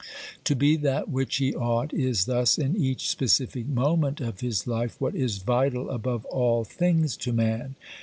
To be that which he ought is thus in each specific moment of his life what is vital above all things to man.